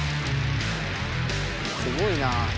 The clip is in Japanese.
すごいなあ。